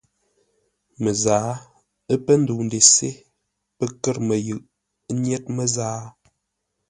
Məzǎa. Ə́ pə́ ndəu ndesé, pə́ kə̂r məyʉʼ, ə́ nyêr məzǎa.